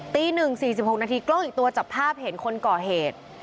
ตี๑๔๖นาทีกล้องอีกตัวจับภาพเห็นคนก่อเหตุ